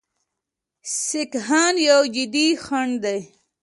سیکهان یو جدي خنډ دی.